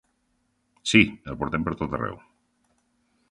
Sí, el portem pertot arreu.